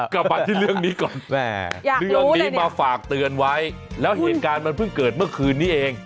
กลับมาที่เรื่องนี้ก่อนแม่เรื่องนี้มาฝากเตือนไว้แล้วเหตุการณ์มันเพิ่งเกิดเมื่อคืนนี้เอง